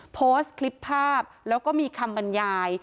โพสต์คลิปภาพแล้วก็มีคำบรรยาย